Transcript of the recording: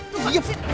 tunggu diam sini